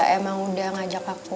emang udah ngajak aku